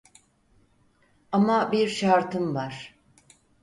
Ama bir şartım var.